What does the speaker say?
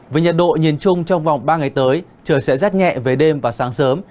với nhiệt độ nhìn chung trong vòng ba ngày tới trời sẽ rát nhẹ về đêm và sáng sớm